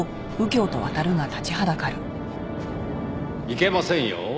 いけませんよ。